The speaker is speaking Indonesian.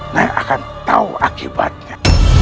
nyanyi akan tahu akibatnya